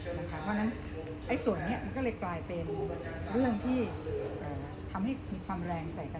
เพราะฉะนั้นส่วนนี้มันก็เลยกลายเป็นเรื่องที่ทำให้มีความแรงใส่กัน